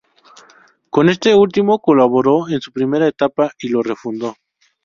Con este último colaboró en su primera etapa y lo refundó.